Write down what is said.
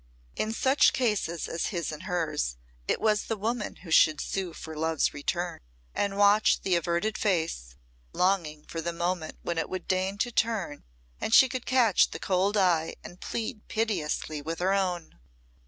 In such cases as his and hers, it was the woman who should sue for love's return, and watch the averted face, longing for the moment when it would deign to turn and she could catch the cold eye and plead piteously with her own.